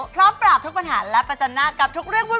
พร้อมปราบทุกปัญหาและประจันหน้ากับทุกเรื่องวุ่น